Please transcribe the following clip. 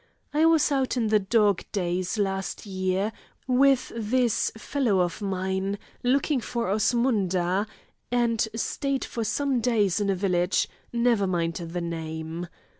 ... I was out in the dog days last year with this fellow of mine, looking for Osmunda, and stayed some days in a village—never mind the name.